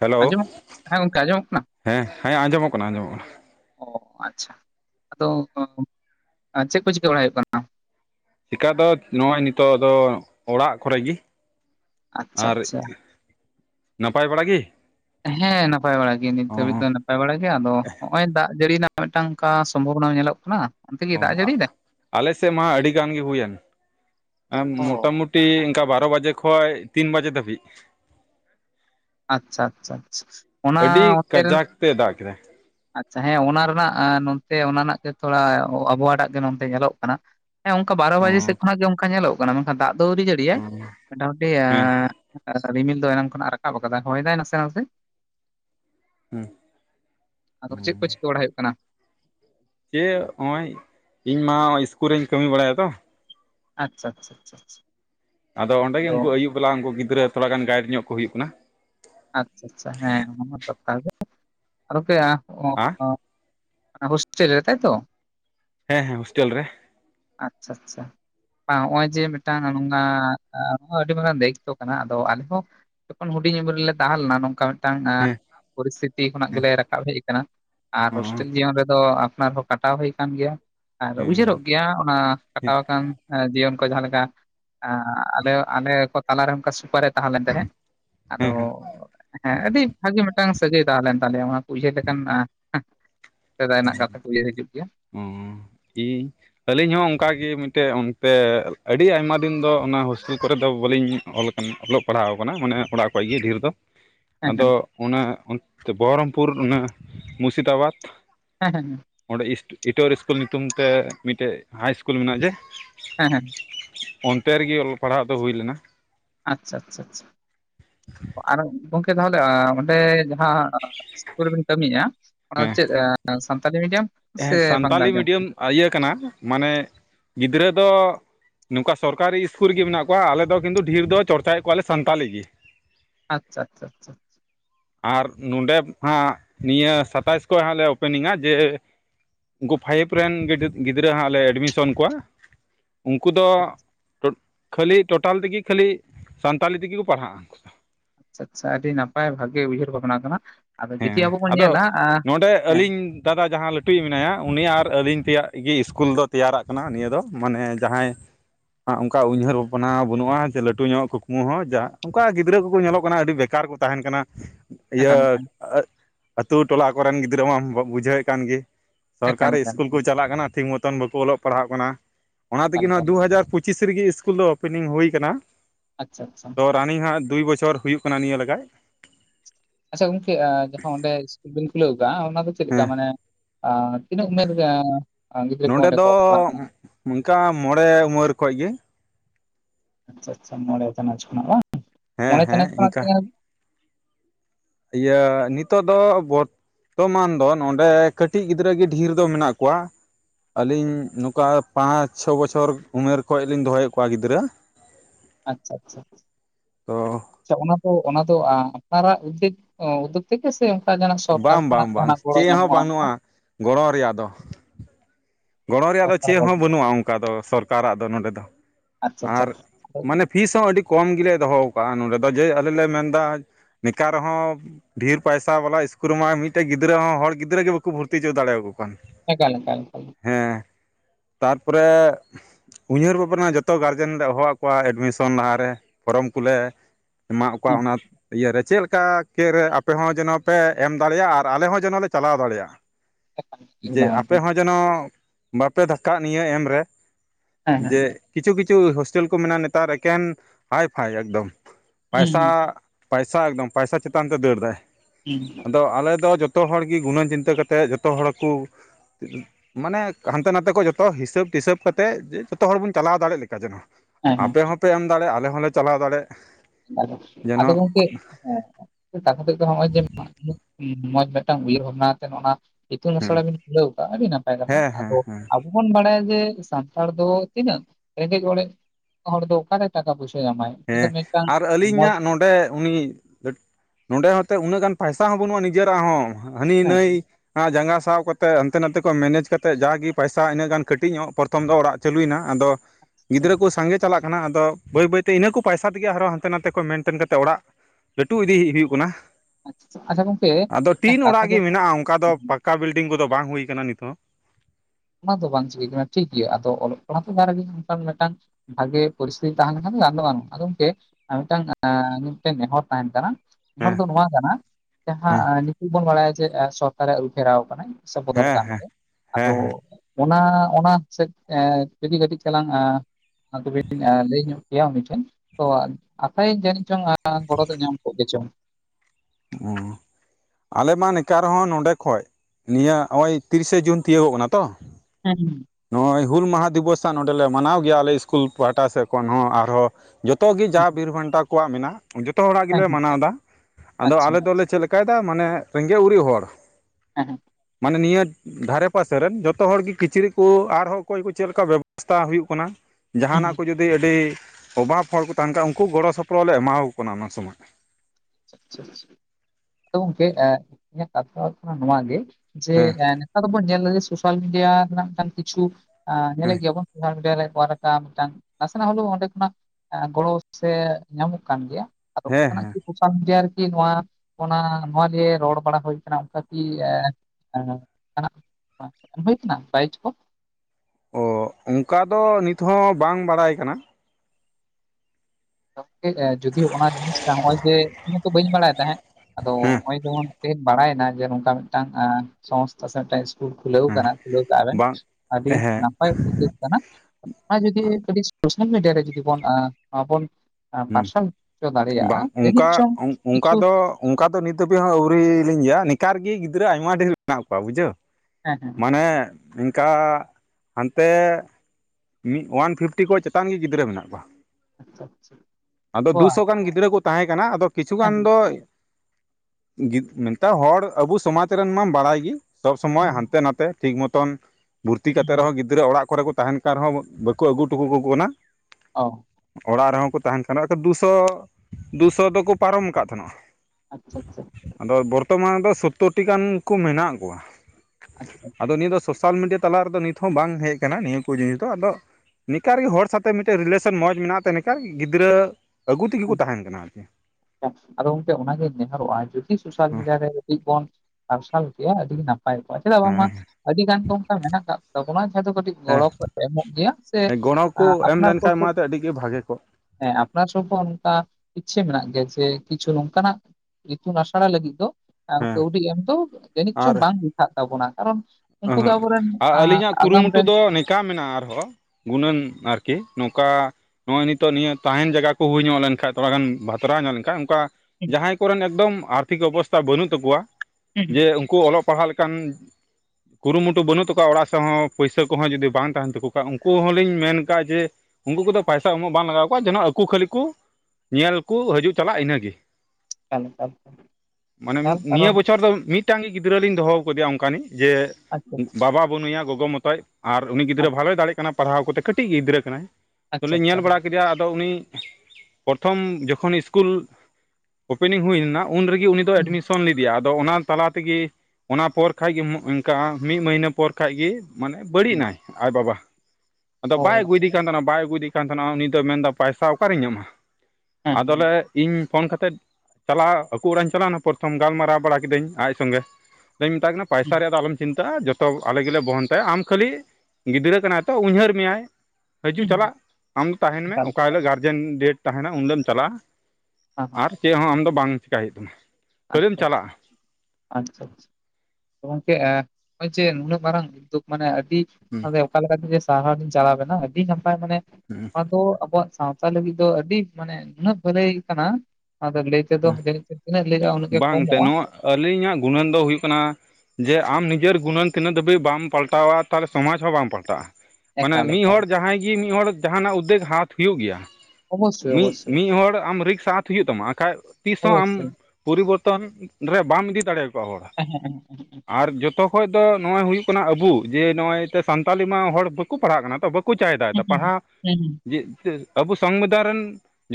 Hello ᱟᱸᱡᱚᱢᱚᱜ ᱦᱮᱸ ᱜᱚᱝᱠᱮ ᱟᱸᱡᱚᱢᱚᱜ ᱠᱟᱱᱟ? ᱦᱮᱸ ᱦᱮᱸ ᱟᱸᱡᱚᱢᱚᱜ ᱠᱟᱱᱟ ᱟᱸᱡᱚᱢᱚᱜ ᱠᱟᱱᱟ ᱚ ᱟᱪᱪᱷᱟ ᱟᱫᱚ ᱪᱮᱫ ᱠᱚ ᱪᱤᱠᱟᱹ ᱵᱟᱲᱟᱭ ᱦᱩᱭᱩᱜ ᱠᱟᱱᱟ ᱪᱮᱠᱟ ᱫᱚᱛ ᱱᱚᱜᱼᱚᱭ ᱱᱤᱛᱚᱜ ᱫᱚ ᱚᱲᱟᱜ ᱠᱚᱨᱮ ᱜᱤ ᱟᱪᱪᱷᱟ ᱟᱪᱪᱷᱟ ᱱᱟᱯᱟᱭ ᱵᱟᱲᱟ ᱜᱮ ᱦᱮᱸ ᱱᱟᱯᱟᱭ ᱵᱟᱲᱟ ᱜᱮ ᱱᱤᱛ ᱚ ᱫᱷᱟᱹᱵᱤᱡ ᱫᱚ ᱵᱟᱭ ᱵᱟᱲᱟᱭ ᱜᱮᱭᱟ ᱟᱫᱚ ᱱᱚᱜ ᱚᱚᱭ ᱫᱟᱜ ᱡᱟᱹᱲᱤ ᱨᱮᱱᱟᱜ ᱢᱤᱫᱴᱟᱝ ᱱᱚᱝᱠᱟ ᱥᱚᱢᱵᱷᱚᱵᱚᱱᱟ ᱧᱮᱞᱚᱜ ᱠᱟᱱᱟ ᱚᱱᱛᱮ ᱜᱮ ᱚ ᱫᱟᱜ ᱡᱟᱹᱲᱤᱭ ᱫᱟᱭ? ᱟᱞᱮ ᱥᱮᱫ ᱢᱟ ᱟᱹᱰᱤᱜᱟᱱ ᱜᱮ ᱦᱩᱭᱮᱱ᱾ ᱚ ᱢᱚᱴᱟ ᱢᱩᱴᱤ ᱚᱱᱠᱟ ᱵᱟᱨᱚ ᱵᱟᱡᱮ ᱠᱷᱚᱡ ᱛᱤᱱ ᱵᱟᱡᱮ ᱫᱷᱟᱹᱵᱤᱡ ᱟᱪᱪᱷᱟ ᱟᱪᱪᱷᱟ ᱟᱪᱪᱷᱟ ᱚᱱᱟ ᱟᱹᱰᱤ ᱚᱱᱛᱮ ᱨᱮᱱᱟᱜ ᱠᱟᱡᱟᱠ ᱛᱮ ᱫᱟᱜ ᱠᱮᱫᱟᱭ ᱟᱪᱪᱷᱟ ᱦᱮᱸ ᱚᱱᱟ ᱨᱮᱱᱟᱜ ᱱᱚᱱᱛᱮ ᱚᱱᱟ ᱨᱮᱱᱟᱜ ᱜᱮ ᱛᱷᱚᱲᱟ ᱟᱵᱚᱦᱟᱣᱟ ᱜᱮ ᱱᱚᱱᱛᱮ ᱧᱮᱞᱚᱜ ᱠᱟᱱᱟ᱾ ᱦᱮᱸ ᱚᱱᱠᱟ ᱵᱟᱨᱚ ᱚ ᱵᱟᱡᱮ ᱥᱮᱫ ᱠᱷᱚᱱᱟᱜ ᱜᱮ ᱚᱱᱠᱟ ᱧᱮᱞᱚᱜ ᱠᱟᱱᱟ ᱢᱮᱱᱠᱷᱟᱱ ᱫᱟᱜ ᱫᱚ ᱟᱹᱣᱨᱤ ᱡᱟᱹᱲᱤᱟᱭ ᱦᱮᱸ ᱢᱚᱴᱟ ᱢᱩᱴᱤ ᱨᱤᱢᱤᱞ ᱫᱚ ᱮᱱᱟᱱ ᱠᱷᱚᱱᱟᱜ ᱨᱟᱠᱟᱵ ᱟ ᱦᱚᱭ ᱫᱟᱭ ᱱᱟᱥᱮ ᱱᱟᱥᱮ᱾ ᱦᱮᱸ ᱟᱫᱚ ᱪᱮᱫ ᱠᱚ ᱪᱤᱠᱟᱹ ᱵᱟᱲᱟ ᱦᱩᱭᱩᱜ ᱠᱟᱱᱟ ᱪᱮᱫ ᱦᱚᱜᱼᱭ ᱤᱧ ᱢᱟ ᱤᱥᱠᱩᱞ ᱨᱮᱧ ᱠᱟᱹᱢᱤ ᱵᱟᱲᱟᱭᱟ ᱛᱚ ᱟᱪᱪᱷᱟ ᱟᱫᱚ ᱚᱸᱰᱮ ᱜᱮ ᱩᱱᱠᱩ ᱟᱹᱭᱩᱵ ᱵᱮᱞᱟ ᱩᱱᱠᱩ ᱜᱤᱫᱽᱨᱟᱹ ᱛᱷᱚᱲᱟ ᱜᱟᱱ ᱜᱟᱭᱤᱰ ᱧᱚᱜ ᱠᱚ ᱦᱩᱭᱩᱜ ᱠᱟᱱᱟ᱾ ᱟᱪᱪᱷᱟ ᱟᱪᱪᱷᱟ ᱦᱮᱸ ᱚᱱᱟ ᱢᱟ ᱫᱚᱨᱠᱟᱨ ᱜᱮ ᱟᱨ ᱟ [inaudible] ᱦᱳᱥᱴᱮᱞ ᱨᱮ ᱛᱟᱭ ᱛᱚ ᱦᱮᱸ ᱦᱮᱸ ᱦᱳᱥᱴᱮᱞ ᱨᱮ᱾ ᱟᱪᱷᱟ ᱟᱪᱷᱟ ᱱᱚᱜᱼᱚᱭ ᱡᱮ ᱢᱤᱫᱴᱟᱝ ᱱᱚᱝ ᱟᱹᱰᱤ ᱢᱟᱨᱟᱝ ᱫᱟᱭᱤᱛᱚ ᱠᱟᱱᱟ ᱟᱫᱚ ᱟᱞᱮ ᱦᱚᱸ ᱡᱚᱠᱷᱚᱱ ᱦᱩᱰᱤᱧ ᱩᱢᱮᱨ ᱞᱮ ᱛᱟᱦᱮᱸ ᱞᱮᱱᱟ ᱱᱚᱝᱠᱟ ᱢᱤᱫᱴᱟᱝ ᱦᱮᱸ ᱯᱚᱨᱤᱥᱛᱷᱤᱛᱤ ᱠᱷᱚᱱᱟᱜ ᱦᱮᱸ ᱜᱮᱞᱮ ᱨᱟᱠᱟᱵ ᱦᱮᱡ ᱟᱠᱟᱱᱟ ᱟᱨ ᱚ ᱦᱳᱥᱴᱮᱞ ᱡᱤᱭᱚᱱ ᱨᱮᱫᱚ ᱟᱯᱱᱟᱨ ᱠᱷᱟᱴᱟᱣ ᱦᱩᱭ ᱟᱠᱟᱱ ᱜᱮᱭᱟ ᱟᱨ ᱦᱮᱸ ᱩᱭᱦᱟᱹᱨᱚᱜ ᱜᱮᱭᱟ ᱚᱱᱟ ᱦᱮᱸ ᱠᱟᱴᱟᱣ ᱟᱠᱟᱱ ᱡᱤᱭᱚᱱ ᱠᱚ ᱡᱟᱦᱟᱸ ᱞᱮᱠᱟ ᱟᱞᱮ ᱟᱞᱮ ᱛᱟᱞᱟᱨᱮ ᱚᱱᱠᱟ ᱥᱩᱯᱟᱨ ᱛᱟᱦᱮᱸ ᱞᱮᱱ ᱛᱟᱦᱮᱸᱫ ᱟᱫᱚ ᱦᱮᱸ ᱦᱮᱸ ᱟᱹᱰᱤ ᱵᱷᱟᱹᱜᱤ ᱢᱤᱫᱴᱟᱝ ᱥᱟᱹᱜᱟᱹᱭ ᱛᱟᱦᱮᱸ ᱞᱮᱱ ᱛᱟᱞᱮᱭᱟ ᱚᱱᱟ ᱠᱚ ᱩᱦ ᱞᱮᱠᱟᱱ᱾ ᱥᱮᱫᱟᱭ ᱨᱮᱱᱟᱜ ᱠᱟᱛᱷᱟ ᱠᱚ ᱩᱭᱦᱟ. ᱨ ᱦᱤᱡᱩᱜ ᱜᱮᱭᱟ᱾ ᱚ ᱤᱧ ᱟᱹᱞᱤᱧ ᱦᱚᱸ ᱚᱱᱠᱟᱜᱮ ᱢᱤᱫᱴᱮᱡ ᱚᱱᱛᱮ ᱟᱹᱰᱤ ᱟᱭᱢᱟ ᱫᱤᱱ ᱫᱚ ᱚᱱᱟ ᱦᱳᱥᱴᱮᱞ ᱠᱚᱨᱮ ᱫᱚ ᱵᱟᱹᱞᱤᱧ ᱚᱞ ᱟᱠᱟᱜ ᱚᱞᱚᱜ ᱯᱟᱲᱦᱟᱣ ᱟᱠᱟᱱᱟ ᱢᱟᱱᱮ ᱚᱲᱟᱜ ᱠᱷᱚᱡ ᱜᱮ ᱰᱷᱮᱨ ᱫᱚ [unintelligible] ᱟᱫᱚ ᱚᱱᱟ ᱚᱱ ᱵᱚᱦᱚᱨᱚᱢᱯᱩᱨ ᱚᱱᱟ ᱢᱩᱨᱥᱤᱫᱟᱵᱟᱫᱽ ᱦᱮᱸ ᱦᱮᱸ ᱦᱮᱸ ᱚᱸᱰᱮ ᱤᱴᱚᱨ ᱤᱥᱠᱩᱞ ᱧᱩᱛᱩᱢ ᱛᱮ ᱢᱤᱫᱴᱮᱡ ᱦᱟᱭ ᱤᱥᱠᱩᱞ ᱢᱮᱱᱟᱜᱼᱟ ᱡᱮ ᱦᱮᱸ ᱦᱮᱸ ᱚᱱᱛᱮ ᱨᱮᱜᱮ ᱚᱞᱚᱜ ᱯᱟᱲᱦᱟᱣ ᱫᱚ ᱦᱩᱭ ᱞᱮᱱᱟ᱾ ᱟᱪᱪᱷᱟ ᱟᱪᱪᱷᱟ ᱟᱨ ᱜᱚᱝᱠᱮ ᱛᱟᱦᱚᱞᱮ ᱚᱸᱰᱮ ᱦᱮᱸ ᱦᱮᱸ ᱤᱥᱠᱩᱞ ᱨᱮᱵᱤᱱ ᱠᱟᱹᱢᱤᱭᱮᱫᱼᱟ ᱚᱱᱟ ᱫᱚ ᱪᱮᱫ ᱥᱟᱱᱛᱟᱞᱤ ᱢᱤᱰᱤᱭᱟᱢ ᱥᱮ ᱦᱮᱸ ᱵᱟᱝᱞᱟ ᱥᱟᱱᱛᱟᱞᱤ ᱢᱤᱰᱤᱭᱟᱢ ᱤᱭᱟᱹ ᱠᱟᱱᱟ ᱢᱟᱱᱮ ᱜᱤᱫᱽᱨᱟᱹ ᱫᱚ ᱱᱚᱝᱠᱟ ᱥᱚᱨᱠᱟᱨᱤ ᱤᱥᱠᱩᱞ ᱨᱮᱜᱮ ᱢᱮᱱᱟᱜ ᱠᱚᱣᱟ ᱟᱞᱮ ᱫᱚ ᱠᱤᱱᱛᱩ ᱰᱷᱮᱨ ᱫᱚ ᱪᱚᱨᱪᱟᱭᱮᱫ ᱠᱚᱣᱟ ᱞᱮ ᱥᱟᱱᱛᱟᱞᱤ ᱜᱮ ᱟᱪᱪᱷᱟ ᱟᱪᱷᱟ ᱪᱷᱟ ᱟᱨ ᱱᱚᱰᱮ ᱦᱟᱸᱜ ᱱᱤᱭᱟᱹ ᱥᱟᱛᱟᱥ ᱠᱷᱚᱡ ᱦᱟᱸᱜ ᱞᱮ ᱳᱯᱮᱱᱤᱝᱟ ᱡᱮ ᱩᱱᱠᱩ ᱯᱷᱟᱭᱤᱵᱽ ᱨᱮᱱ ᱜᱤᱫᱽᱨᱟᱹ ᱦᱟᱸᱜ ᱞᱮ ᱮᱰᱢᱤᱥᱚᱱ ᱠᱚᱣᱟ ᱩᱱᱠᱩ ᱫᱚ ᱟᱪᱪᱷᱟ ᱠᱷᱟᱹᱞᱤ ᱴᱳᱴᱟᱞ ᱛᱮᱜᱮ ᱠᱷᱟᱹᱞᱤ ᱥᱟᱱᱛᱟᱞᱤ ᱛᱮᱜᱮ ᱠᱚ ᱯᱟᱲᱦᱟᱜᱼᱟ ᱟᱪᱪᱷᱟ ᱟᱹᱰᱤ ᱱᱟᱯᱟᱭ ᱵᱷᱟᱜᱮ ᱩᱭᱦᱟᱹᱨ ᱵᱷᱟᱵᱽᱱᱟ ᱠᱟᱱᱟ᱾ ᱟᱫᱚ ᱡᱩᱫᱤ ᱦᱮᱸ ᱟᱵᱚ ᱵᱚᱱ ᱟᱫᱚ ᱧᱮᱞᱟ ᱟᱸ ᱱᱚᱰᱮ ᱦᱮᱸ ᱟᱹᱞᱤᱧ ᱫᱟᱫᱟ ᱡᱟᱦᱟᱸ ᱞᱟᱹᱴ ᱴᱷᱩᱭᱤᱡ ᱢᱮᱱᱟᱭᱟ ᱩᱱᱤ ᱟᱨ ᱟᱹᱞᱤᱧ ᱛᱮᱭᱟᱜ ᱜᱮ ᱤᱥᱠᱩᱞ ᱫᱚ ᱛᱮᱭᱟᱨᱟᱜ ᱠᱟᱱᱟ ᱱᱤᱭᱟᱹ ᱫᱚ ᱢᱟᱱᱮ ᱡᱟᱦᱟᱸᱭ ᱚᱱᱠᱟ ᱩᱭᱦᱟᱹᱨ ᱵᱷᱟᱵᱽᱱᱟ ᱵᱟᱹᱱᱩᱜᱼᱟ ᱡᱮ ᱞᱟᱹᱴᱩ ᱧᱚᱜ ᱠᱩᱠᱢᱩ ᱦᱚᱸ ᱡᱟ ᱚᱱᱠᱟ ᱜᱤᱫᱽᱨᱟᱹ ᱠᱚᱠᱚ ᱧᱮᱞᱚᱜ ᱠᱟᱱᱟ ᱟᱹᱰᱤ ᱵᱮᱠᱟᱨ ᱠᱚ ᱛᱟᱦᱮᱱ ᱠᱟᱱᱟ ᱮᱠᱟᱞ ᱤᱭᱟᱹ ᱮᱠᱟᱞ ᱟᱹᱛᱩᱳ ᱴᱚᱞᱟ ᱠᱚᱨᱮᱱ ᱜᱤᱫᱽᱨᱟᱹ ᱢᱟᱢ ᱵᱩᱡᱷᱟᱹᱣᱮᱫ ᱠᱟᱱ ᱜᱮ ᱮᱠᱟᱞ ᱥᱚᱨᱠᱟᱨᱤ ᱮᱠᱟᱞ ᱤᱥᱠᱩᱞ ᱠᱚ ᱪᱟᱞᱟᱜ ᱠᱟᱱᱟ ᱴᱷᱤᱠ ᱢᱚᱛᱚᱱ ᱵᱟᱠᱚ ᱚᱞᱚᱜ ᱯᱟᱲᱦᱟᱜ ᱠᱟᱱᱟ ᱚᱱᱟ ᱛᱮᱜᱮ ᱱᱚᱣᱟ ᱮᱠᱟᱞ ᱫᱩ ᱦᱟᱡᱟᱨ ᱯᱚᱸᱪᱤᱥ ᱨᱮᱜᱮ ᱤᱥᱠᱩᱞ ᱫᱚ ᱳᱯᱮᱱᱤᱝ ᱦᱩᱭ ᱟᱠᱟᱱᱟ ᱟᱪᱪᱷᱟ ᱟᱪᱪᱷᱟ ᱛᱚ ᱨᱟᱱᱤᱝ ᱦᱟᱸᱜ ᱫᱩᱭ ᱵᱚᱪᱷᱚᱨ ᱦᱩᱭᱩᱜ ᱠᱟᱱᱟ ᱠᱟᱱᱟ ᱱᱤᱭᱟᱹ ᱞᱟᱜᱟᱡ ᱟᱪᱪᱷᱟ ᱜᱚᱝᱠᱮ ᱡᱟᱦᱟᱸ ᱚᱸᱰᱮ ᱤᱥᱠᱩᱞ ᱵᱮᱱ ᱠᱷᱩᱞᱟᱹᱣ ᱟᱠᱟᱫ ᱚᱱᱟ ᱫᱚ ᱪᱮᱫ ᱞᱮᱠᱟ ᱦᱮᱸ ᱢᱟᱱᱮ ᱛᱤᱱᱟᱹᱜ ᱩᱢᱮᱨ ᱜᱤᱫᱽᱨᱟᱹ ᱠᱚ ᱚᱸᱰᱮ ᱠᱚ ᱚᱞᱚᱜ ᱯᱟᱲᱦᱟᱜ ᱠᱟᱱᱟ ᱱᱚᱝᱠᱟ ᱢᱚᱬᱮ ᱩᱢᱮᱨ ᱠᱷᱚᱱ ᱜᱮ ᱟᱪᱪᱷᱟ ᱟᱪᱪᱷᱟ ᱢᱚᱬᱮ ᱪᱟᱱᱟᱪ ᱠᱷᱚᱱᱟᱜ ᱵᱟᱝ ᱦᱮᱸ ᱢᱚᱬᱮ ᱦᱮᱸ ᱪᱟᱱᱟᱪ ᱠᱷᱚᱱᱟᱜ ᱤᱱᱠᱟ ᱤᱭᱟᱹ ᱱᱤᱛᱚᱜ ᱫᱚ ᱵᱚᱨᱛᱚᱢᱟᱱ ᱫᱚ ᱱᱚᱰᱮ ᱠᱟᱹᱴᱤᱡ ᱜᱤᱫᱽᱨᱟᱹ ᱜᱤ ᱰᱷᱤᱨ ᱫᱚ ᱢᱮᱱᱟᱜ ᱠᱚᱣᱟ ᱟᱹᱞᱤᱧ ᱱᱚᱠᱟ ᱯᱟᱸᱪ ᱪᱷᱚ ᱵᱚᱪᱷᱚᱨ ᱩᱢᱮᱨ ᱠᱷᱚᱡ ᱞᱤᱧ ᱫᱚᱦᱚᱭᱮᱫ ᱠᱚᱣᱟ ᱜᱤᱫᱽᱨᱟᱹ [inaudible] ᱟᱪᱪᱷᱟ ᱟᱪᱪᱷᱟ ᱛᱚ ᱟᱪᱪᱷᱟ ᱚᱱᱟ ᱫᱚ ᱚᱱᱟ ᱫᱚ ᱟᱯᱱᱟᱨᱟᱜ ᱩᱫᱽᱫᱮᱜ ᱩᱫᱽᱳᱜ ᱛᱮᱜᱮ ᱥᱮ ᱚᱱᱠᱟ ᱡᱟᱦᱟᱸᱱᱟᱜ ᱥᱚᱨᱠᱟᱨ ᱵᱟᱝ ᱵᱟᱝ ᱠᱷᱚᱱᱟᱜ ᱵᱟᱝ ᱡᱟᱦᱟᱸᱱᱟᱜ ᱜᱚᱲᱚ ᱪᱮᱫ ᱦᱚᱸ ᱧᱟᱢᱚᱜᱼᱟ ᱵᱟᱹᱱᱩᱜᱼᱟ ᱚᱱ ᱜᱚᱲᱚ ᱨᱮᱭᱟᱜ ᱫᱚ ᱜᱚᱲᱚ ᱨᱮᱭᱟᱜ ᱫᱚ ᱪᱮᱫ ᱦᱚᱸ ᱵᱟᱹᱱᱩᱜᱼᱟ ᱚᱱᱠᱟ ᱫᱚ ᱥᱚᱨᱠᱟᱨᱟᱜ ᱫᱚ ᱱᱚᱰᱮ ᱫᱚ ᱟᱪᱪᱷᱟ ᱟᱪᱪᱷᱟ ᱟᱨ ᱢᱟᱱᱮ ᱯᱷᱤᱥ ᱦᱚᱸ ᱟᱹᱰᱤ ᱠᱚᱢ ᱜᱮᱞᱮ ᱫᱚᱦᱚ ᱟᱠᱟᱜᱼᱟ ᱱᱚᱰᱮ ᱫᱚ ᱡᱮ ᱟᱞᱮᱞ ᱞᱮ ᱢᱮᱱᱫᱚ ᱱᱮᱠᱟ ᱨᱮᱦᱚᱸ ᱰᱷᱮᱨ ᱯᱟᱭᱥᱟ ᱵᱟᱞᱟ ᱤᱥᱠᱩᱞ ᱨᱮᱢᱟ ᱢᱤᱫᱴᱮᱱ ᱜᱤᱫᱽᱨᱟᱹ ᱦᱚᱸ ᱦᱚᱲ ᱜᱤᱫᱽᱨᱟᱹ ᱜᱮ ᱵᱟᱠᱚ ᱵᱷᱚᱨᱛᱤ ᱦᱚᱪᱚ ᱫᱟᱲᱮᱭᱟᱠᱚ ᱠᱟᱱ ᱮᱠᱟᱞ ᱮᱠᱟᱞ ᱮᱠᱟᱞ ᱦᱮᱸ ᱛᱟᱨᱯᱚᱨᱮ ᱩᱭᱦᱟᱹᱨ ᱵᱷᱟᱵᱱᱟ ᱡᱚᱛᱚ ᱜᱟᱨᱡᱮᱱ ᱞᱮ ᱦᱚᱦᱚᱣᱟ ᱠᱚᱣᱟ ᱮᱰᱢᱤᱥᱚᱱ ᱞᱟᱦᱟᱨᱮ ᱯᱷᱚᱨᱚᱢ ᱠᱩᱞᱮ ᱮᱢᱟᱜ ᱠᱚᱣᱟ ᱦᱮᱸ ᱚᱱᱟ ᱤᱭᱟᱹᱨᱮ ᱪᱮᱫ ᱞᱮᱠᱟ [unintelligible] ᱨᱮ ᱟᱯᱮ ᱦᱚᱸ ᱡᱮᱱᱚ ᱯᱮ ᱮᱢ ᱫᱟᱲᱮᱭᱟᱜ‌ᱟᱨ ᱟᱞᱮ ᱦᱚᱸ ᱡᱮᱱᱚᱮ ᱞᱮ ᱪᱟᱞᱟᱣ ᱫᱟᱲᱮᱭᱟᱜ ᱫᱟᱲᱮᱭᱟᱜᱼᱟ ᱮᱠᱟᱞ ᱡᱮ ᱮᱠᱫᱚᱢ ᱟᱯᱮ ᱮᱠᱫᱚᱢ ᱦᱚᱸ ᱡᱮᱱᱚ ᱵᱟᱯᱮ ᱫᱷᱟᱠᱟᱜ ᱱᱤᱭᱟᱹ ᱮᱢ ᱨᱮ ᱦᱮᱸ ᱦᱮᱸ ᱡᱮ ᱠᱤᱪᱷᱩ ᱠᱤᱪᱷᱩ ᱦᱳᱥᱴᱮᱞ ᱠᱚ ᱢᱮᱱᱟᱜᱼᱟ ᱱᱮᱛᱟᱨ ᱮᱠᱮᱱ ᱦᱟᱭᱼᱯᱷᱟᱭ ᱮᱠᱫᱚᱢ ᱦᱩᱸ ᱯᱟᱭᱥᱟ ᱦᱩᱸ ᱯᱟᱭᱥᱟ ᱮᱠᱫᱚᱢ ᱯᱟᱭᱥᱟ ᱪᱮᱛᱟᱱ ᱛᱮ ᱫᱟᱹᱲ ᱫᱟᱭ [unintelligible] ᱟᱫᱚ ᱟᱞᱮ ᱫᱚ ᱡᱚᱛᱚ ᱦᱚᱲ ᱜᱤ ᱜᱩᱱᱟᱹᱱ ᱪᱤᱱᱛᱟᱹ ᱠᱟᱛᱮᱫ ᱡᱚᱛᱚ ᱦᱚᱲ ᱠᱩ ᱢᱟᱱᱮ ᱦᱟᱱᱛᱮ ᱱᱟᱛᱮ ᱠᱚᱡ ᱡᱚᱛᱚ ᱦᱤᱥᱟᱹᱵ ᱴᱤᱥᱟᱹᱵ ᱠᱟᱛᱮᱜ ᱡᱚᱛᱚ ᱦᱚᱲ ᱵᱚᱱ ᱪᱟᱞᱟᱣ ᱫᱟᱲᱮᱭᱟᱜ ᱞᱮᱠᱟ ᱡᱮᱱᱚ ᱦᱮᱸ ᱦᱮᱸ ᱟᱯᱮ ᱦᱚᱸᱯᱮ ᱮᱢ ᱫᱟᱲᱮᱭᱟᱜᱼᱟ ᱟᱞᱮ ᱦᱚᱸᱞᱮ ᱪᱟᱞᱟᱣ ᱫᱟᱲᱮᱜ [unintelligible] ᱡᱮᱱᱚ ᱟᱫᱚ ᱜᱚᱝᱠᱮ ᱦᱮᱸ ᱛᱟ ᱠᱷᱟᱛ ᱱᱚᱜᱼᱚᱭ ᱡᱮ [unintelligible] ᱢᱚᱸᱡᱽ ᱢᱮᱫᱴᱟᱝ ᱩᱭᱦᱟᱹᱨ ᱵᱷᱟᱵᱽᱱᱟ ᱟᱛᱮ ᱱᱚᱜ ᱱᱟ ᱤᱛᱩᱱ ᱦᱮᱸ ᱟᱥᱲᱟ ᱵᱤᱱ ᱠᱷᱩᱞᱟᱹᱣ ᱟᱠᱟᱫᱼᱟ ᱟᱹᱰᱤ ᱱᱟᱯᱟᱭ ᱠᱟᱛᱷᱟ ᱦᱮᱸ ᱦᱮᱸ ᱟᱫᱚ ᱟ ᱦᱮᱸ ᱟᱵᱵᱚᱱ ᱵᱟᱲᱟᱭᱟ ᱡᱮ ᱥᱟᱱᱛᱟᱲ ᱫᱚ ᱛᱤᱱᱟᱹᱜ ᱨᱮᱸᱜᱮᱡ ᱚᱲᱮᱡ ᱦᱚᱲ ᱫᱚ ᱚᱠᱟᱨᱮ ᱴᱟᱠᱟ ᱯᱩᱭᱥᱟ ᱧᱟᱢᱟᱭ ᱩᱱᱤ ᱫᱚ ᱦᱮᱸ ᱢᱤᱫᱴᱟᱝ ᱟᱨ ᱢᱚᱸᱡᱽ ᱟᱹᱞᱤᱧᱟᱜ ᱱᱚᱰ ᱰᱮ ᱩᱱᱤ ᱱᱚᱸᱰᱮ ᱦᱚᱸᱚᱛᱚ ᱩᱱᱟᱹᱜ ᱜᱟᱱ ᱯᱟᱭᱥᱟ ᱦᱚᱸ ᱵᱟᱹᱱᱩᱜᱼᱟ ᱱᱤᱡᱮᱨᱟᱜ ᱦᱚᱸ ᱦᱟᱹᱱᱤ ᱦᱮᱸ ᱱᱟᱹᱭ ᱟᱜ ᱡᱟᱸᱜᱟ ᱥᱟᱵ ᱠᱟᱛᱮ ᱦᱟᱱᱛᱮ ᱱᱟᱛᱮ ᱠᱚᱡ ᱢᱮᱱᱮᱡ ᱠᱟᱛᱮᱫ ᱡᱟᱜᱤ ᱯᱟᱭᱥᱟ ᱤᱱᱟᱹ ᱜᱟᱱ ᱠᱟᱹᱴᱤᱡ ᱧᱚᱜ ᱯᱚᱨ ᱯᱨᱚᱛᱷᱚᱢ ᱫᱚ ᱚᱲᱟᱜ ᱪᱟᱹᱞᱩᱭᱮᱱᱟ ᱟᱫᱚ ᱟᱪᱪᱷᱟ ᱜᱤᱫᱽᱨᱟᱹ ᱠᱚ ᱥᱟᱸᱜᱮ ᱪᱟᱞᱟᱜ ᱠᱟᱱᱟ ᱟᱫᱚ ᱵᱟᱹᱭ ᱵᱟᱹᱭ ᱛᱮ ᱤᱱᱟᱹ ᱠᱚ ᱯᱟᱭᱥᱟ ᱛᱮᱜᱮ ᱟᱨᱦᱚᱸ ᱦᱟᱱᱛᱮ ᱱᱟᱛᱮ ᱠᱚᱡ ᱢᱮᱱᱴᱮᱱ ᱠᱟᱛᱮᱫ ᱚᱲᱟᱜ ᱞᱟᱹᱴᱩ ᱤᱫᱤᱭ ᱦᱩᱭᱩᱜ ᱠᱟᱱᱟ ᱟᱪᱪᱷᱟ ᱜᱚᱝᱠᱮ ᱟᱫᱚ ᱢᱤᱫᱴᱟᱝ ᱴᱤᱱ ᱠᱟᱛᱷᱟ ᱚᱲᱟᱜ ᱫᱚ ᱜᱤ ᱢᱮᱱᱟᱜᱼᱟ ᱚᱱᱠᱟ ᱫᱚ ᱯᱟᱠᱟ ᱵᱤᱞᱰᱤᱝ ᱠᱚᱫᱚ ᱵᱟᱝ ᱦᱩᱭ ᱠᱟᱱᱟ ᱱᱤᱛ ᱦᱚᱸ ᱚᱱᱟ ᱫᱚ ᱵᱟᱝ ᱪᱤᱠᱟᱹᱜ ᱠᱟᱱᱟ ᱴᱷᱤᱠ ᱜᱮᱭᱟ ᱟᱫᱚ ᱚᱞᱚᱜ ᱯᱟᱲᱦᱟ ᱛᱚ [unintelligible] ᱨᱤᱜᱤ ᱱᱚᱝᱠᱟᱱ ᱢᱮᱫᱴᱟᱝ ᱵᱷᱟᱜᱮ ᱯᱚᱨᱤᱥᱛᱷᱤᱛᱤ ᱛᱟᱦᱮᱸ ᱞᱮᱱᱠᱷᱟᱱ ᱫᱚ ᱜᱟᱱ ᱫᱚ ᱵᱟᱹᱱᱩᱜᱼᱟ ᱟᱫᱚ ᱜᱚᱢᱚᱝᱠᱮ ᱢᱮᱫᱴᱟᱝ ᱟ ᱢᱤᱫᱴᱮᱱ ᱱᱮᱦᱚᱨ ᱛᱟᱦᱮᱱ ᱠᱟᱱᱟ ᱦᱚᱨ ᱦᱮᱸ ᱫᱚ ᱱᱚᱣᱟ ᱠᱟᱱᱟ ᱦᱮᱸ ᱡᱟᱦᱟᱸ ᱱᱤᱛᱚᱜ ᱵᱚᱱ ᱵᱟᱲᱟᱭᱟ ᱡᱮ ᱥᱚᱨᱠᱟᱨᱮ ᱟᱹᱨᱩ ᱯᱷᱮᱨᱟᱣ ᱟᱠᱟᱱᱟᱭ ᱥᱮ ᱵᱚᱫᱚᱞ ᱦᱮᱸ ᱟᱠᱟᱱ ᱦᱮᱸ ᱫᱚ ᱟᱫᱚ ᱦᱮᱸ ᱚᱱᱟ ᱚᱱᱟ ᱥᱮᱫ ᱮ ᱡᱩᱫᱤ ᱠᱟᱹᱴᱤᱡ ᱪᱟᱞᱟᱝ ᱮᱸ ᱞᱟᱹᱭ ᱧᱚᱜ ᱜᱮᱭᱟ ᱩᱱᱤ ᱴᱷᱮᱱ ᱛᱚ ᱟᱥᱟᱤᱧ ᱡᱟᱹᱱᱤᱡ ᱪᱚᱝ ᱜᱚᱲᱚ ᱫᱚ ᱧᱟᱢ ᱠᱚᱜ ᱜᱮ ᱪᱚᱝ ᱚᱸ ᱟᱞᱮ ᱢᱟ ᱱᱮᱠᱟ ᱨᱮᱦᱚᱸ ᱱᱚᱰᱮ ᱠᱷᱚᱡ ᱱᱤᱭᱟᱹ ᱱᱚᱜ ᱚᱭ ᱛᱤᱨᱤᱥᱮ ᱡᱩᱱ ᱛᱤᱭᱳᱟᱹᱜᱚᱜ ᱠᱟᱱᱟ ᱛᱚ [unintelligible] ᱱᱚᱜᱼᱚ ᱚᱭ ᱦᱩᱞ ᱢᱟᱦᱟ ᱫᱤᱵᱚᱥ ᱥᱟᱶ ᱱᱚᱸᱰᱮᱞᱮ ᱢᱟᱱᱟᱣ ᱜᱮᱭᱟ ᱟᱞᱮ ᱥᱤᱥᱠᱩᱞ ᱯᱟᱦᱴᱟ ᱥᱮᱫ ᱠᱷᱚᱱ ᱦᱚᱸ ᱟᱨᱦᱚᱸ ᱡᱚᱛᱚ ᱜᱤ ᱡᱟ ᱦᱮᱸ ᱵᱤᱨᱵᱟᱱᱴᱟ ᱠᱚᱣᱟᱜ ᱢᱮᱱᱟᱜ ᱡᱚᱛᱚ ᱦᱚᱲᱟᱜ ᱦᱮᱸ ᱜᱮᱞᱮ ᱦᱮᱸ ᱢᱟᱱᱟᱣ ᱮᱫᱟ ᱟᱫᱚ ᱟᱪᱪᱷᱟ ᱟᱞᱮ ᱫᱚᱞᱮ ᱪᱮᱫ ᱞᱮᱠ ᱠᱟᱭᱫᱟ ᱢᱟᱱᱮ ᱨᱮᱸᱜᱮᱡ ᱩᱨᱤᱜ ᱦᱚᱲ ᱦᱮᱸ ᱦᱮᱸ ᱢᱟᱱᱮ ᱱᱤᱭᱟᱹ ᱫᱷᱟᱨᱮ ᱯᱟᱥᱮ ᱨᱮᱱ ᱡᱚᱛᱚ ᱦᱚᱲ ᱜᱤ ᱠᱤᱪᱨᱤᱜ ᱠᱩ ᱟᱨᱦᱚᱸ ᱚᱠᱚᱭ ᱠᱚ ᱪᱮᱫ ᱞᱮᱠᱟ ᱵᱮᱵᱚᱥᱛᱟ ᱦᱩᱭᱩᱜ ᱠᱟᱱᱟ ᱦᱮᱸ ᱡᱟᱦᱟᱸᱱᱟᱜ ᱠᱚ ᱟᱪᱪᱷᱟ ᱡᱩᱫ ᱫᱤ ᱟᱹᱰᱤ ᱚᱵᱷᱟᱵ ᱦᱚᱲ ᱠᱚ ᱛᱟᱦᱮᱱ ᱠᱷᱟᱱ ᱩᱱᱠᱩ ᱜᱚᱲᱚ ᱥᱚᱯᱚᱦᱚᱫ ᱞᱮ ᱮᱢᱟᱣᱠᱚ ᱠᱟᱱᱟ ᱚᱱᱟ ᱥᱚᱢᱚᱭ ᱟᱪᱪᱷᱟ ᱟᱪᱪᱷᱟ ᱟᱫᱚ ᱜᱚᱝᱠᱮ ᱮᱸ ᱤᱧᱟᱹᱜ ᱠᱟᱛᱷᱟ ᱦᱩᱭᱩᱜ ᱠᱟᱱᱟ ᱱᱚᱣᱟᱣᱟᱜ ᱜᱮ ᱡᱮ ᱦᱮᱸ ᱮᱱ ᱟᱫᱚᱵᱚᱱ ᱧᱮᱞᱟ ᱡᱮ ᱥᱳᱥᱟᱞ ᱢᱤᱰᱤᱭᱟ ᱨᱮᱟᱱᱝ ᱢᱮᱫᱴᱟᱝ ᱠᱤᱪᱩᱸ ᱧᱮᱞᱮᱫ ᱦᱮᱸ ᱜᱤᱭᱟ ᱵᱚᱱ ᱥᱳᱥᱟᱞ ᱢᱤᱰᱤᱭᱟ ᱨᱮ ᱱᱚᱣᱟ ᱨᱮ ᱟᱨ ᱢᱮᱫᱴᱟᱝ ᱱᱟᱥᱮᱱᱟᱜ ᱦᱞᱳ ᱚᱸᱰᱮ ᱠᱷᱚᱱᱟᱜ ᱜᱚᱲᱚ ᱥᱮ ᱧᱟᱢᱚᱜ ᱠᱟᱱ ᱜᱮᱭᱟ ᱟᱫᱚ ᱦᱮᱸ ᱚᱱᱠᱟᱱᱟᱜ ᱦᱮᱸ ᱠᱤ ᱥᱳᱥᱟᱞ ᱢᱤᱰᱭᱟ ᱟᱨᱠᱤ ᱱᱚᱣᱟ ᱱᱚᱣᱟ ᱞᱤᱭᱮ ᱨᱚᱲ ᱵᱟᱲᱟ ᱦᱩᱭ ᱟᱠᱟᱱᱟ ᱚᱱᱠᱟ ᱠᱤ ᱵᱟᱭ ᱠᱚ [inaudible] ᱚ ᱚᱱᱠᱟ ᱫᱚ ᱱᱤᱛ ᱦᱚᱸ ᱵᱟᱝ ᱵᱟᱲᱟᱭ ᱠᱟᱱᱟ ᱜᱚᱢᱠᱮ ᱡᱩᱫᱤ ᱚᱱᱟ ᱡᱤᱱᱤᱥ ᱴᱟᱜ ᱱᱚᱜᱼᱚᱭ ᱡᱮ ᱤᱧ ᱦᱚᱛᱚ ᱵᱟᱹᱧ ᱵᱟᱲᱟᱭ ᱛᱟᱦᱮᱸᱫ ᱟᱫᱚ ᱦᱮᱸ ᱱᱚᱜᱼᱚᱭ ᱡᱮᱢᱚᱱ ᱛᱤᱦᱮᱭ ᱵᱟᱲᱟᱭᱱᱟ ᱡᱮ ᱱᱚᱝᱠᱟ ᱢᱤᱫᱴᱟᱝ ᱥᱚᱝᱥᱛᱷᱟ ᱥᱮ ᱢᱤᱫᱴᱟᱝ ᱠᱷᱩᱞᱟᱹᱣ ᱦᱮᱸ ᱠᱟᱱᱟ ᱠᱷᱩᱞᱟᱹᱣ ᱠᱟᱜᱟᱵᱮᱱ ᱵᱟᱝ ᱟᱹᱰᱤ ᱦᱮᱸ ᱱᱟᱯᱟᱭ ᱩᱫᱳᱜ ᱠᱟᱱᱟ ᱟᱨ ᱡᱩᱫᱤ ᱠᱟᱹᱴᱤᱡ ᱥᱳᱥᱟᱞ ᱢᱤᱰᱤᱭᱟ ᱨᱮ ᱡᱫᱤ ᱵᱚᱱ ᱟ ᱵᱟᱵᱚᱱ ᱦᱩᱸ ᱵᱟᱝ ᱡᱟᱹᱱᱤᱡ ᱚᱱᱠᱟ ᱪᱚᱝ ᱚᱜ ᱚᱱᱠᱟ ᱠᱤᱪᱷᱩ ᱫᱚ ᱚᱱᱠᱟ ᱫᱚ ᱱᱤᱛ ᱦᱟᱹᱵᱤᱡ ᱦᱚᱸ ᱟᱹᱣᱨᱤᱞᱤᱧ ᱜᱮᱭᱟ ᱱᱠᱟᱨᱜᱮ ᱜᱤᱫᱽᱨᱟᱹ ᱟᱭᱢᱟ ᱰᱷᱮᱨ ᱢᱮᱱᱟᱜ ᱠᱚᱣᱟ ᱵᱩᱡᱷᱟᱹᱣ ᱦᱮᱸ ᱦᱮᱸ ᱢᱟᱱᱮ ᱤᱱᱠᱟ ᱦᱟᱱᱛᱮ ᱢᱤᱫ ᱳᱣᱟᱱ ᱯᱷᱤᱯᱴᱤ ᱠᱷᱚᱱ ᱪᱮᱛᱟᱱ ᱜᱮ ᱜᱤᱫᱽᱨᱟᱹ ᱢᱮᱱᱟᱜ ᱠᱚᱣᱟ ᱟᱪᱪᱷᱟ ᱟᱪᱪᱷᱟ ᱟᱫᱚ ᱚ ᱫᱩᱥᱚ ᱜᱟᱱ ᱜᱤᱫᱽᱨᱟᱹ ᱠᱚ ᱛᱟᱦᱮᱸ ᱠᱟᱱᱟ ᱟᱫᱚ ᱠᱤᱪᱷᱩ ᱜᱟᱱ ᱦᱮᱸ ᱦᱮᱸ ᱫᱚ ᱤᱱᱠᱟ ᱦᱚᱲ ᱟᱵᱚ ᱥᱚᱢᱟᱡ ᱨᱮᱱ ᱢᱟᱢ ᱵᱟᱲᱟᱭ ᱜᱮ ᱥᱚᱵ ᱥᱚᱢᱚᱭ ᱦᱩᱸ, ᱦᱟᱱᱛᱮ ᱱᱟᱛᱮ ᱴᱷᱤᱠ ᱢᱚᱛᱚᱱ ᱵᱷᱩᱨᱛᱤ ᱠᱟᱛᱮ ᱦᱩᱸ, ᱨᱮᱦᱚᱸ ᱦᱩᱸ, ᱜᱤᱫᱽᱨᱟᱹ ᱚᱲᱟᱜ ᱠᱚᱨᱮ ᱠᱚ ᱛᱟᱦᱮᱱ ᱠᱟᱱ ᱨᱮᱦᱚᱸ ᱵᱟᱠᱚ ᱟᱹᱜᱩᱴᱩᱠᱟ ᱠᱟᱠᱚ ᱠᱟᱱᱟ ᱚ ᱚᱲᱟᱜ ᱨᱮᱦᱚᱸ ᱠᱚ ᱛᱟᱦᱮᱱ ᱠᱟᱱᱟ ᱫᱩᱥᱚ ᱫᱩᱥᱚ ᱫᱚᱠᱚ ᱯᱟᱨᱚᱢ ᱟᱠᱟᱟᱜ ᱛᱟᱦᱮᱚᱜᱼᱟ ᱟᱪᱪᱷᱟ ᱟᱪᱪᱷᱟ ᱟᱫᱚ ᱵᱚᱨᱛᱚᱢᱟᱱ ᱨᱮᱫᱚ ᱥᱳᱛᱛᱳᱨ ᱴᱤ ᱜᱟᱱ ᱠᱚ ᱢᱮᱱᱟᱜ ᱠᱚᱣᱟ ᱟᱪᱪᱷᱟ ᱟᱫᱚ ᱱᱤᱭᱟᱹ ᱫᱚ ᱥᱳᱥᱟᱞ ᱢᱤᱰᱤᱭᱟ ᱛᱟᱞᱟ ᱨᱮᱫᱚ ᱱᱤᱛ ᱦᱚᱸ ᱵᱟᱝ ᱦᱮᱡ ᱟᱠᱟᱱᱟ ᱱᱤᱭᱟᱹ ᱠᱚ ᱡᱤᱱᱤᱥ ᱫᱚ ᱟᱫᱚ ᱱᱤᱝᱠᱟᱨᱜᱮ ᱦᱚᱲ ᱥᱟᱶᱛᱮᱜ ᱢᱤᱫᱴᱮᱱ ᱨᱤᱞᱮᱥᱮᱱ ᱢᱚᱸᱡᱽ ᱢᱮᱱᱟᱜ ᱛᱮ ᱱᱤᱠᱟᱨ ᱜᱮ ᱜᱤᱫᱽᱨᱟᱹ ᱟᱹᱜᱩ ᱛᱮᱜᱮ ᱠᱚ ᱛᱟᱦᱮᱱ ᱠᱟᱱᱟ ᱟᱨᱠᱤ ᱟᱫᱚ ᱜᱚᱝᱠᱮ ᱚᱱᱟᱜᱤᱧ ᱱᱮᱦᱚᱨᱚᱜᱼᱟ ᱡᱩᱫᱤ ᱥᱳᱥᱟᱞ ᱦᱮᱸ ᱢᱤᱰᱤᱭᱟ ᱨᱮ ᱠᱟᱹᱴᱤᱡ ᱵᱚᱱ ᱟᱨᱟᱥᱞ ᱠᱮᱭᱟ ᱟᱹᱰᱤ ᱜᱮ ᱱᱟᱯᱟᱭ ᱠᱚᱜᱼᱟ ᱪᱮᱫᱟᱜ ᱵᱟᱝ ᱢᱟ ᱦᱮᱸ ᱟᱹᱰᱤ ᱜᱟᱱ ᱠᱚ ᱚᱱᱠᱟ ᱢᱮᱱᱟᱜ ᱠᱟᱜ ᱛᱟᱵᱚᱱᱟ ᱡᱟᱦᱟᱸ ᱫᱚ ᱠᱟᱹᱴᱤᱡ ᱜᱚᱲᱚ ᱠᱚ ᱮᱢᱚᱜ ᱜᱮᱭᱟ ᱥᱮ ᱚᱱᱟ ᱠᱚ ᱮᱢ ᱟᱯᱱᱟᱨ ᱠᱚ ᱞᱮᱱᱠᱷᱟᱱ ᱥᱚᱵ ᱢᱟᱛᱚ ᱟᱹᱰᱤ ᱜᱮ ᱵᱷᱟᱜᱮ ᱠᱚᱜ ᱦᱮᱸ ᱟᱯᱱᱟᱨ [unintelligible] ᱚᱱᱠᱟ ᱤᱪᱪᱷᱟᱹ ᱢᱮᱱᱟᱜ ᱜᱮᱭᱟ ᱡᱮ ᱠᱤᱪᱷᱩ ᱱᱚᱝᱠᱟᱱᱟᱜ ᱤᱛᱩᱱ ᱟᱥᱲᱟ ᱞᱟᱹᱜᱤᱫ ᱫᱚ ᱟᱨ ᱦᱮᱸ ᱠᱟᱹᱣᱰᱤ ᱮᱢ ᱫᱚ ᱡᱟᱹᱱᱤᱡ ᱪᱚ ᱟᱨ ᱵᱟᱝ ᱟᱜ ᱛᱟᱵᱚᱱᱟ ᱠᱟᱨᱚᱱ ᱩᱱᱠᱩ ᱫᱚ ᱚᱦᱚᱸ ᱟᱵᱚᱨᱮᱱ ᱟᱸ ᱟᱜᱟᱢ ᱨᱮᱱ ᱠᱟ ᱢᱮᱱᱟᱜᱼᱟ ᱟᱨᱦᱚᱸ ᱜᱩᱱᱟᱹᱱ ᱟᱨᱠᱤ ᱱᱚᱝᱠᱟ ᱱᱚᱜᱼᱚᱭ ᱱᱤᱛᱚᱜ ᱱᱤᱭᱟᱹ ᱛᱟᱦᱮᱱ ᱡᱟᱭᱜᱟ ᱠᱚ ᱦᱩᱭ ᱧᱚᱜ ᱞᱮᱱᱠᱷᱟᱡ ᱛᱷᱚᱲᱟ ᱜᱟᱱ ᱵᱟᱛᱨᱟ ᱧᱚᱜ ᱞᱮᱱᱠᱷᱟ ᱚᱱᱠᱟ ᱡᱟᱦᱟᱸᱭ ᱠᱚᱨᱮᱱ ᱮᱠᱫᱚᱢ ᱟᱨᱛᱷᱤᱠ ᱚᱵᱚᱥᱛᱷᱟ ᱵᱟᱹᱱᱩᱜ ᱛᱟᱠᱚᱣᱟ ᱡᱮ ᱩᱱᱠᱩ ᱚᱞᱚᱜ ᱯᱟᱲᱦᱟᱜ ᱞᱮᱠᱟᱱ ᱠᱩᱨᱩᱢᱩᱴᱩ ᱵᱟᱹᱱᱩᱜ ᱛᱟᱠᱚᱣᱟ ᱚᱲᱟᱜ ᱥᱮᱫ ᱦᱚᱸ ᱯᱩᱭᱥᱟᱹ ᱠᱚᱦᱚᱸ ᱡᱩᱫᱤ ᱵᱟᱝ ᱛᱟᱦᱮᱱ ᱛᱟᱠᱚ ᱠᱷᱟᱡ ᱩᱱᱠᱩ ᱦᱚᱸᱞᱤᱧ ᱢᱮᱱ ᱠᱟᱜ ᱡᱮ ᱩᱱᱠᱩ ᱠᱚᱫᱚ ᱯᱚᱭᱥᱟ ᱩᱱᱟᱹᱜ ᱵᱟᱝ ᱞᱟᱜᱟᱣ ᱠᱚᱣᱟ ᱡᱮᱱᱚ ᱟᱠᱚ ᱠᱷᱟᱹᱞᱤ ᱠᱚ ᱧᱮᱞ ᱠᱚ ᱦᱤᱡᱩᱜ ᱪᱟᱞᱟᱜ ᱤᱱᱟᱹ ᱜᱮ ᱠᱟᱨᱚᱱ ᱢᱟᱱᱮ ᱱᱤᱭᱟᱹ ᱵᱚᱪᱷᱚᱨ ᱫᱚ ᱢᱤᱫ ᱢᱤᱫᱴᱟᱝ ᱜᱤ ᱜᱤᱫᱽᱨᱟᱹ ᱞᱤᱧ ᱫᱚᱦᱚᱣ ᱟᱠᱟᱫᱮᱭᱟ ᱚᱱᱠᱟᱱᱤᱡ ᱡᱮ ᱟᱪᱪᱷᱟ ᱵᱟᱵᱟ ᱵᱟᱹᱱᱩᱭᱟ ᱜᱚᱜᱚ ᱢᱚᱛᱚᱡ ᱟᱨ ᱩᱱᱤ ᱜᱤᱫᱽᱨᱟᱹ ᱵᱷᱟᱞᱚᱭ ᱫᱟᱲᱮᱜ ᱠᱟᱱᱟ ᱯᱟᱲᱦᱟᱣ ᱠᱚᱛᱮ ᱠᱟᱹᱴᱤᱡ ᱜᱤᱫᱽᱨᱟᱹ ᱠᱟᱱᱟᱭ ᱟᱫᱚ ᱟᱪᱪᱷᱟ ᱟᱪᱪᱷᱟ ᱞᱤᱧ ᱟᱪᱪᱷᱟ ᱧᱮᱞ ᱵᱟᱲᱟ ᱠᱮᱫᱮᱭᱟ ᱟᱫᱚ ᱩᱱᱤ ᱯᱨᱚᱛᱷᱚᱢ ᱡᱚᱠᱷᱚᱱ ᱤᱥᱠᱩᱞ ᱳᱯᱮᱱᱤᱝ ᱦᱩᱭᱱᱟ ᱩᱱ ᱨᱮᱜᱮ ᱩᱱᱤ ᱫᱚ ᱮᱰᱢᱤᱥᱚᱱ ᱞᱮᱫᱮᱭᱟ ᱟᱫᱚ ᱚᱱᱟ ᱛᱟᱞᱟ ᱛᱮᱜᱮ ᱚᱱᱟ ᱯᱚᱨ ᱠᱷᱟᱡ ᱜᱮ ᱚᱱᱠᱟ ᱢᱤᱫ ᱢᱟᱹᱦᱱᱟᱹ ᱯᱚᱨ ᱠᱷᱟᱡ ᱜᱮ ᱢᱟᱱᱮ ᱵᱟᱹᱲᱤᱡ ᱦᱮᱸ ᱮᱱᱟᱭ ᱟᱡ ᱵᱟᱵᱟ ᱟᱫᱚ ᱚ ᱵᱟᱭ ᱟᱹᱜᱩ ᱤᱫᱤ ᱛᱟᱦᱮᱱᱟ ᱵᱟᱭ ᱟᱹᱜᱩᱭᱮᱫᱮ ᱠᱟᱱ ᱛᱟᱦᱮᱱᱟ ᱩᱱᱤ ᱫᱚᱭ ᱢᱮᱱᱫᱟ ᱯᱟᱭᱥᱟ ᱚᱠᱟᱨᱮᱧ ᱧᱟᱢᱟ ᱦᱮᱸ ᱟᱫᱚᱞᱮ ᱤᱧ ᱯᱷᱳᱱ ᱠᱟᱛᱮᱫ ᱪᱟᱞᱟᱜ ᱟᱠᱚ ᱚᱲᱟᱜ ᱤᱧ ᱪᱟᱞᱟᱣᱱᱟ ᱯᱨᱚᱛᱷᱚᱢ ᱜᱟᱞᱢᱟᱨᱟᱣ ᱵᱟᱲᱟ ᱠᱤᱫᱟᱹᱧ ᱟᱡ ᱥᱚᱸᱜᱮ ᱟᱫᱚᱧ ᱢᱮᱛᱟᱭ ᱠᱟᱱᱟ ᱯᱟᱭᱥᱟ ᱨᱮᱭᱟᱜ ᱫᱚ ᱟᱞᱚᱢ ᱪᱤᱱᱛᱟᱹᱜᱼᱟ ᱡᱚᱛᱚ ᱟᱞᱮ ᱜᱮᱞᱮ ᱵᱚᱦᱚᱱ ᱛᱟᱭᱟ ᱟᱢ ᱠᱷᱟᱹᱞᱤ ᱜᱤᱫᱽᱨᱟᱹ ᱠᱟᱱᱟᱭ ᱛᱚ ᱩᱭᱦᱟᱹᱨ ᱢᱮᱭᱟᱭ ᱦᱟᱡᱩᱜ ᱦᱮᱸ ᱪᱟᱞᱟᱜ ᱟᱢ ᱫᱚ ᱛᱟᱦᱮᱱ ᱢᱮ ᱮᱠᱟᱞ ᱚᱠᱟ ᱦᱤᱞᱳᱜ ᱜᱟᱨᱡᱮᱱ ᱰᱮᱴ ᱛᱟᱦᱮᱱᱟ ᱩᱱᱦᱤᱞᱳᱜ ᱮᱢ ᱪᱟᱞᱟᱜᱼᱟ ᱦᱮᱸ ᱦᱮᱸ ᱟᱨ ᱪᱮᱫ ᱦᱚᱸ ᱟᱢ ᱫᱚ ᱵᱟᱝ ᱪᱮᱠᱟᱹᱭ ᱦᱩᱭᱩᱜ ᱛᱟᱢᱟ᱾ ᱠᱷᱟᱹᱞᱤᱢ ᱟᱪᱪᱷᱟ ᱟᱪᱪᱷᱟ᱾ ᱪᱟᱞᱟᱜᱼᱟ ᱟᱪᱪᱷᱟ ᱟᱪᱷᱟ ᱜᱚᱝᱠᱮ ᱱᱚᱜ-ᱚᱭ ᱡᱮ ᱱᱩᱱᱟᱹᱜ ᱢᱟᱨᱟᱝ ᱫᱩᱜᱽ ᱢᱟᱱᱮ ᱟᱹᱰᱤ ᱦᱩᱸ ᱚᱠᱟ ᱞᱮᱠᱟ ᱛᱮ ᱪᱚ ᱥᱟᱨᱦᱟᱣ ᱞᱤᱱᱜ ᱪᱟᱞᱞᱟᱵᱮᱱᱟ ᱟᱹᱰᱤ ᱱᱟᱯᱟᱭ ᱢᱟᱱᱮ- ᱦᱩᱸ ᱱᱚᱣᱟ ᱠᱚ ᱟᱵᱚᱣᱟᱜ ᱥᱟᱶᱛᱟ ᱞᱟᱹᱜᱤᱫ ᱫᱚ ᱟᱹᱰᱤ ᱢᱟᱱᱮ ᱱᱩᱱᱟᱹᱜ ᱵᱷᱟᱹᱞᱟᱹᱭ ᱠᱟᱱᱟ ᱟᱫᱚ ᱞᱟᱹᱭ ᱛᱮ ᱫᱚ ᱦᱩᱸ ᱞᱟᱹᱭ ᱠᱮᱵᱚᱜ [unintelligible] ᱵᱟᱝ ᱛᱮ ᱱᱚᱣᱟ ᱟᱹᱞᱤᱧᱟᱜ ᱜᱩᱱᱟᱹᱱ ᱫᱚ ᱦᱩᱭᱩᱜ ᱠᱟᱱᱟ ᱡᱮ ᱟᱢ ᱱᱤᱡᱮᱨ ᱜᱩᱱᱟᱹᱱ ᱛᱤᱱᱟᱹᱜ ᱫᱷᱟᱹᱵᱤᱡ ᱵᱟᱢ ᱯᱟᱞᱴᱟᱣᱟ ᱛᱟᱦᱚᱞᱮ ᱥᱚᱢᱟᱡᱽ ᱦᱚᱸ ᱵᱟᱢ ᱯᱟᱞᱴᱟᱜᱼᱟ᱾ ᱢᱟᱱᱮ ᱮᱠᱟᱞ ᱢᱤᱫ ᱮᱠᱟᱞ ᱦᱚᱲᱚᱲ ᱡᱟᱦᱟᱸᱭ ᱜᱮ ᱢᱤᱫ ᱦᱚᱲᱚᱲ ᱡᱟᱦᱟᱸᱱᱟᱜ ᱩᱫᱽᱫᱮᱛᱽ ᱦᱟᱛ ᱦᱩᱭᱩᱜ ᱜᱮᱭᱟ᱾ ᱚᱵᱚᱥᱥᱳᱭ ᱢᱤ ᱚᱵᱚᱥᱥᱳᱭ ᱢᱤᱜ ᱦᱚᱲ ᱟᱢ ᱨᱤᱠᱥ ᱥᱟᱛ ᱦᱩᱭᱩᱜ ᱛᱟᱢᱟ ᱵᱟᱠᱷᱟᱡ ᱛᱤᱥᱦᱚᱸ ᱟᱢ ᱚᱵᱚᱥᱥᱳᱭ ᱯᱚᱨᱤᱵᱚᱨᱛᱚᱱ ᱨᱮ ᱵᱟᱢ ᱤᱫᱤ ᱫᱟᱲᱮᱭᱟᱠᱚᱣᱟ ᱦᱚᱲ ᱦᱮᱸ ᱦᱮᱸ ᱦᱮᱸ ᱟᱨ ᱡᱚᱛᱚ ᱠᱷᱚᱡ ᱫᱚ ᱱᱚᱜᱼᱚᱭ ᱦᱩᱭᱩᱜ ᱠᱟᱱᱟ ᱟᱵᱚ ᱡᱮ ᱱᱚᱜᱼᱚᱭᱛᱮ ᱥᱟᱱᱛᱟᱞᱤ ᱢᱟ ᱦᱚᱲ ᱵᱟᱠᱚ ᱯᱟᱲᱦᱟᱜ ᱠᱟᱱᱟ ᱛᱚ ᱵᱟ ᱵᱟᱠᱩ ᱪᱟᱭ ᱫᱟ ᱦᱮᱸ ᱯᱟᱲᱦᱟᱣ ᱦᱮᱸ ᱦᱮᱸ ᱡᱮ ᱟᱵᱚ ᱥᱚᱝᱵᱤᱫᱷᱟᱱ ᱨᱮᱱ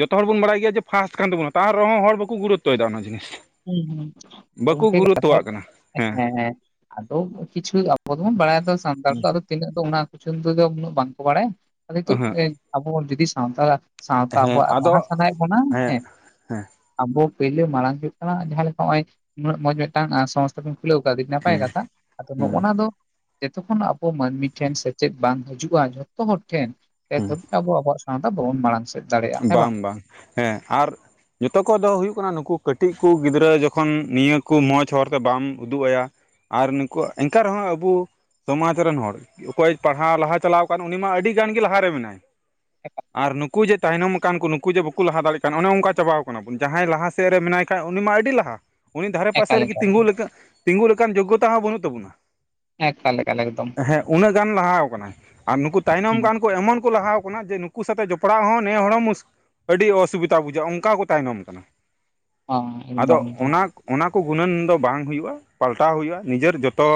ᱡᱚᱛᱚ ᱦᱚᱲ ᱵᱚᱱ ᱵᱟᱲᱟᱭ ᱜᱮᱭᱟ ᱡᱮ ᱯᱷᱟᱥᱴ ᱠᱟᱱ ᱛᱟᱵᱚᱱᱟ ᱛᱟᱦᱮᱸᱟᱦᱱ ᱨᱮᱦᱚᱸ ᱦᱚᱲ ᱵᱟᱠᱚ ᱜᱩᱨᱩᱛᱚᱭ ᱫᱟ ᱚᱱᱟ ᱡᱤᱱᱤᱥ᱾ ᱦᱩᱸ ᱦᱩᱸ ᱵᱟᱠᱚ ᱜᱚᱝᱠᱮ ᱠᱟᱛᱷᱟ ᱜᱩᱨᱩᱛᱛᱚᱣᱟᱜ ᱦᱩᱭᱩᱜ ᱠᱟᱱᱟ ᱦᱮᱸ ᱦᱮᱸ᱾ ᱟᱫᱚ ᱠᱤᱪᱷᱩ ᱟᱵᱚ ᱫᱚᱵᱚᱱ ᱵᱟᱲᱟᱭᱟ ᱥᱟᱱᱛᱟᱲ ᱫᱚ ᱛᱤᱱᱟᱹᱜ ᱫᱚ ᱚᱱᱟ ᱠᱤᱪᱷᱩ ᱩᱱᱟᱹᱜ ᱵᱟᱝᱠᱚ ᱵᱟᱲᱟᱭᱟ ᱱᱤᱛᱚᱜ ᱦᱮᱸ ᱟᱵᱚ ᱵᱚᱱ ᱡᱩᱫᱤ ᱥᱟᱱᱛᱟᱲᱟᱜ ᱥᱟᱶᱛᱟ ᱦᱮᱸ ᱟᱵᱚᱣᱟᱜ ᱟᱫᱚ ᱞᱟᱦᱟ ᱥᱟᱱᱟᱭ ᱮ ᱵᱚᱱᱟ ᱦᱮᱸ ᱦᱮᱸ ᱟᱵᱚ ᱯᱳᱭᱞᱳ ᱢᱟᱲᱟᱝ ᱦᱩᱭᱩᱜ ᱠᱟᱱᱟ ᱡᱟᱦᱟᱸ ᱞᱮᱠᱟ ᱱᱚᱜᱼᱚᱭ ᱩᱱᱟᱹᱜ ᱢᱚᱡᱽ ᱢᱤᱫᱴᱟᱝ ᱥᱚᱝᱥ ᱠᱷᱩᱞᱟᱹᱣ ᱠᱟᱣ ᱱᱟᱯᱟᱭ ᱦᱮᱸ ᱠᱟᱛᱷᱟ ᱟᱫᱚ ᱦᱮᱸ ᱱᱚᱜᱼᱚᱱᱟ ᱫᱚ ᱡᱚᱛᱚᱠᱷᱚᱱ ᱟᱵᱚ ᱢᱟᱹᱱᱢᱤ ᱴᱷᱮᱱ ᱥᱮᱪᱮᱫ ᱵᱟᱝ ᱦᱤᱡᱩᱜᱼᱟ ᱡᱷᱚᱛᱚ ᱦᱚᱲ ᱴᱷᱮᱱ ᱟᱵᱚ ᱟᱵᱚᱣᱟᱜ [unintelligible] ᱟᱫᱚ ᱵᱚᱱ ᱢᱟᱲᱟᱝ ᱥᱮᱫ ᱫᱟᱲᱮᱭᱟᱜᱼᱟ ᱦᱮᱸ ᱵᱟᱝ ᱵᱟᱝ ᱦᱮᱸ ᱟᱨ᱾ ᱡᱚᱛᱚ ᱠᱚ ᱫᱚ ᱦᱩᱭᱩᱜ ᱠᱟᱱᱟ ᱱᱩᱠᱩ ᱠᱟᱹᱴᱤᱡ ᱠᱚ ᱜᱤᱫᱽᱨᱟᱹ ᱡᱚᱠᱷᱚᱱ ᱱᱤᱭᱟᱹ ᱠᱚ ᱢᱚᱸᱡᱽ ᱦᱚᱨᱛᱮ ᱵᱟᱢ ᱩᱫᱩᱜ ᱟᱭᱟ᱾ ᱟᱨ ᱱᱩᱠᱩ-ᱟ ᱮᱱᱠᱟ ᱨᱮᱦᱚᱸ ᱟᱵᱚ ᱥᱚᱢᱟᱡ ᱨᱮᱱ ᱦᱚᱲ ᱚᱠᱚᱭ ᱯᱟᱲᱦᱟᱣ ᱞᱟᱦᱟ ᱪᱟᱞᱟᱣ ᱟᱠᱟᱱ ᱩᱱᱤ ᱢᱟ ᱟᱹᱰᱤ ᱜᱟᱱ ᱜᱮ ᱞᱟᱦᱟᱨᱮ ᱢᱮᱱᱟᱭ ᱟᱨ ᱱᱩᱠᱩ ᱡᱮ ᱛᱟᱭᱱᱚᱢ ᱟᱠᱟᱱ ᱠᱚ ᱱᱩᱠᱩ ᱡᱮ ᱵᱟᱠᱚ ᱞᱟᱦᱟ ᱫᱟᱲᱮᱭᱟᱜ ᱠᱟᱱ ᱚᱱᱮ ᱚᱱᱠᱟ ᱪᱟᱵᱟᱣ ᱠᱟᱱᱟ ᱵᱚᱱ ᱡᱟᱦᱟᱸᱭ ᱞᱟᱦᱟ ᱥᱮᱫ ᱨᱮ ᱢᱮᱱᱟᱭ ᱠᱷᱟ ᱩᱱᱤᱢᱟ ᱟᱹᱰᱤ ᱞᱟᱦᱟ᱾ ᱩᱱᱤ ᱫᱷᱟᱨᱮ ᱯᱟᱥᱮ ᱮᱠᱟᱞ ᱨᱮᱜᱮ ᱮᱠᱟᱞ ᱛᱤᱸᱜᱩ ᱛᱤᱸᱜᱩ ᱞᱮᱠᱟᱱ ᱡᱳᱜᱚᱛᱟ ᱦᱚᱸ ᱵᱟᱹᱱᱩᱜ ᱛᱟᱵᱚᱱᱟ᱾ ᱦᱮᱸ ᱮᱠᱟᱞ ᱮᱠᱟᱞ ᱮᱠᱫᱚᱢ᱾ ᱦᱮᱸ ᱩᱱᱟᱹᱜ ᱜᱟᱱ ᱞᱟᱦᱟᱣ ᱟᱠᱟᱱᱟ ᱟᱨ ᱱᱩᱠᱩ ᱛᱟᱭᱱᱚᱢ ᱦᱮᱸ ᱜᱟᱱ ᱠᱚ ᱮᱢᱚᱱ ᱠᱚ ᱞᱟᱦᱟᱣ ᱟᱠᱟᱱᱟ ᱡᱮ ᱱᱩᱠᱩ ᱥᱟᱛᱮᱜ ᱡᱚᱯᱲᱟᱣ ᱦᱚᱸ ᱱᱮ ᱦᱚᱲ ᱦᱚᱸ ᱢᱩᱥ ᱟᱹᱰᱤ ᱚᱥᱩᱵᱤᱫᱟ ᱵᱩᱡᱷᱟᱹᱜᱼᱟ ᱚᱱᱠᱟ ᱠᱚ ᱛᱟᱭᱱᱚᱢ ᱠᱟᱱᱟ᱾ ᱦᱚᱸ ᱟᱫᱚ ᱮᱠᱫᱚᱢ ᱮᱠᱫᱚᱢ ᱚᱱᱟ ᱚᱱᱟ ᱠᱚ ᱜᱩᱱᱟᱹᱱ ᱫᱚ ᱵᱟᱝ ᱦᱩᱭᱩᱜᱼᱟ ᱯᱟᱞᱴᱟᱣ ᱦᱩᱭᱩᱜᱼᱟ ᱱᱤᱡᱮᱨ ᱡᱚᱛᱚ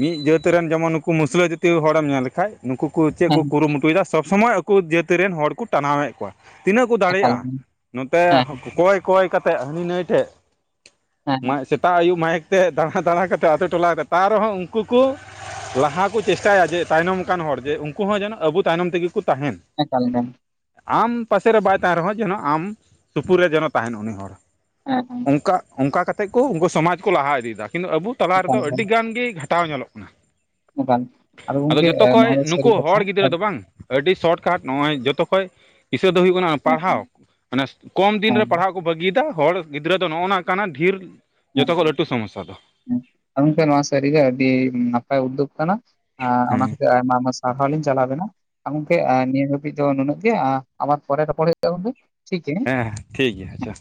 ᱢᱤᱫ ᱡᱟᱹᱛ ᱨᱮᱱ ᱡᱮᱢᱚᱱ ᱱᱩᱠᱩ ᱢᱩᱥᱞᱟᱹ ᱡᱟᱹᱛᱤ ᱦᱚᱲ ᱮᱢ ᱧᱮᱞ ᱞᱮᱠᱷᱟᱡ ᱱᱩᱠᱩ ᱠᱚ ᱪᱮᱫ ᱠᱚ ᱦᱮᱸ ᱠᱩᱨᱩᱢᱩᱴᱩᱭ ᱮᱫᱟ ᱥᱚᱵᱽ ᱥᱚᱢᱚᱭ ᱟᱠᱚ ᱡᱟᱹᱛ ᱨᱮᱱ ᱦᱚᱲ ᱠᱚ ᱴᱟᱱᱟᱣᱮᱫ ᱠᱚᱣᱟ᱾ ᱛᱤᱱᱟᱹᱜ ᱠᱚ ᱮᱠᱟᱞ ᱫᱟᱲᱮᱭᱟᱜᱼᱟ ᱦᱮᱸ ᱱᱚᱛᱮ ᱦᱮᱸ ᱠᱚᱭ ᱠᱚᱭ ᱠᱟᱛᱮᱫ ᱦᱟᱹᱱᱤ ᱱᱟᱹᱭ ᱴᱷᱮᱜ᱾ ᱦᱮᱸ ᱥᱮᱛᱟᱜ ᱟᱹᱭᱩᱵ ᱢᱟᱭᱤᱠ ᱛᱮ ᱫᱟᱬᱟ ᱫᱟᱬᱟ ᱠᱟᱛᱮᱫ ᱟᱹᱛᱩ ᱴᱚᱞᱟ ᱨᱮ ᱛᱟᱣ ᱨᱮᱦᱚᱸ ᱩᱱᱠᱩ ᱠᱩ ᱞᱟᱦᱟ ᱠᱚ ᱪᱮᱥᱴᱟᱭᱟ ᱡᱮ ᱛᱟᱭᱱᱚᱢᱠᱟᱱ ᱦᱚᱲ ᱡᱮ ᱩᱱᱠᱩ ᱦᱚᱸ ᱡᱮᱱᱚ ᱟᱵᱚ ᱛᱟᱭᱱᱚᱢ ᱛᱮᱜᱮ ᱠᱚ ᱛᱟᱦᱮᱱ᱾ ᱮᱠᱟᱞ ᱜᱮ ᱟᱢ ᱯᱟᱥᱮᱨᱮ ᱵᱟᱭ ᱛᱟᱦᱮᱱ ᱨᱮᱦᱚᱸ ᱡᱮᱱᱚ ᱟᱢ ᱥᱩᱯᱩᱨ ᱨᱮ ᱡᱮᱱᱚ ᱛᱟᱦᱮᱱ ᱩᱱᱤ ᱦᱚᱲ᱾ ᱦᱮᱸ ᱚᱱᱠᱟ ᱚᱱᱠᱟ ᱠᱟᱛᱮᱫ ᱠᱚ ᱩᱱᱠᱩ ᱥᱚᱢᱟᱡᱽ ᱠᱚ ᱞᱟᱦᱟ ᱤᱫᱤᱭ ᱫᱟ ᱠᱤᱱᱛᱩ ᱟᱵᱚ ᱛᱟᱞᱟ ᱮᱠᱟᱞ ᱨᱮᱫᱚ ᱮᱠᱟᱞ ᱟᱹᱰᱤ ᱜᱟᱱ ᱜᱤ᱾ ᱛᱟᱣ ᱧᱮᱞᱚᱜ ᱠᱟᱱᱟ ᱮᱠᱟᱞ ᱟᱫᱚ ᱜᱚᱝᱠᱮ ᱡᱚᱛᱚ ᱮ ᱱᱚᱣᱟ ᱠᱷᱚᱡ ᱫᱚ ᱥᱟᱹᱨᱤ ᱱᱩᱠᱩ ᱠᱟᱛᱷᱟ ᱦᱚᱲ ᱜᱤᱫᱽᱨᱟᱹ ᱟᱹᱰ ᱫᱚ ᱵᱟᱝ᱾ ᱟᱹᱰᱤ ᱥᱚᱴ ᱠᱟᱴ ᱱᱚᱜᱼᱚᱭ ᱡᱚᱛᱚ ᱠᱷᱚᱡ ᱫᱤᱥᱟᱹ ᱫᱚ ᱦᱩᱭᱩᱜ ᱠᱟᱱᱟ ᱦᱮᱸ ᱯᱟᱲᱦᱟᱣ᱾ ᱢᱟᱱᱮ ᱠᱚᱢ ᱫᱤᱱ ᱨᱮ ᱦᱮᱸ ᱯᱟᱲᱦᱟᱣ ᱠᱚ ᱵᱟᱹᱜᱤᱭ ᱫᱟ ᱦᱚᱲ ᱜᱤᱫᱽᱨᱟᱹ ᱫᱚ ᱱᱚᱜᱼᱚᱭ ᱠᱟᱱᱟ ᱰᱷᱮᱨ ᱡᱚᱛᱚ ᱠᱷᱚᱡ ᱞᱟᱹᱴᱩ ᱥᱚᱢᱚᱥᱥᱟ ᱫᱚ ᱟ ᱜᱚᱝᱠᱮ ᱱᱚᱣᱟ ᱥᱟᱹᱨᱤ ᱜᱮ ᱟᱹᱰᱤ ᱱᱟᱯᱟᱭ ᱩᱫᱩᱜ ᱠᱟᱱᱟ ᱚᱱᱟ ᱦᱮᱸ ᱠᱷᱟᱹᱛᱤᱨ ᱟᱭᱢᱟ ᱟᱭᱢᱟ ᱨᱟᱣ ᱟᱫᱷᱟ ᱞᱤᱧ ᱪᱟᱞᱟᱣ ᱞᱮᱱᱟ ᱜᱚᱝᱠᱮ ᱱᱤᱭᱟᱹ ᱦᱟᱹᱵᱤᱡ ᱫᱚ ᱱᱩᱱᱟᱹᱜ ᱜᱮ ᱟᱨ ᱟᱵᱟᱨ ᱯᱚᱨᱮ ᱨᱚᱯᱚᱲ ᱦᱩᱭᱩᱜ ᱛᱟᱵᱚᱱᱟ ᱴᱷᱤ ᱜᱮ ᱦᱮᱸ ᱴᱷᱤᱠ ᱜᱮᱭᱟ ᱟᱪᱪᱷᱟ